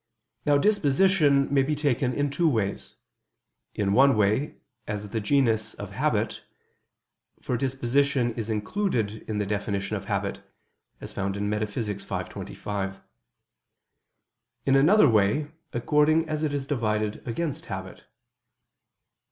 Now disposition may be taken in two ways; in one way, as the genus of habit, for disposition is included in the definition of habit (Metaph. v, text. 25): in another way, according as it is divided against habit.